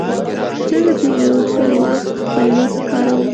زه د پیرود پر وخت خپل لیست کاروم.